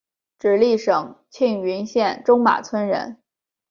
直隶省庆云县中马村人。